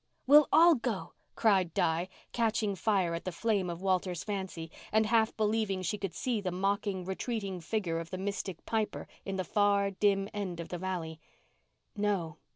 "We'll all go," cried Di, catching fire at the flame of Walter's fancy, and half believing she could see the mocking, retreating figure of the mystic piper in the far, dim end of the valley. "No.